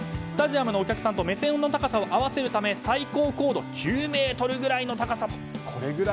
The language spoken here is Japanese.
スタジアムのお客さんと目線の高さを合わせるため最高高度９ｍぐらいの高さと。